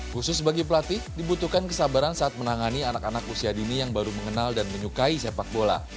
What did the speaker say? khusus bagi pelatih dibutuhkan kesabaran saat menangani anak anak usia dini yang baru mengenal dan menyukai sepak bola